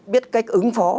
biết cách ứng phó